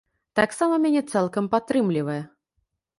Таксама мяне цалкам падтрымлівае.